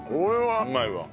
うまいわ。